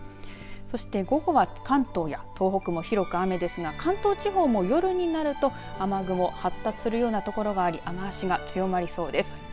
そして午後は関東や東北も広く雨ですが関東地方も夜になると雨雲、発達するような所があり雨足が強まりそうです。